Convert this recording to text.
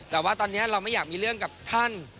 แต่ว่าตอนนี้เราไม่อยากมีเรื่องกับท่าน